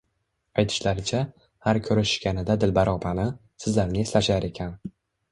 Aytishlaricha, har ko`rishishganida Dilbar opani, sizlarni eslashar ekan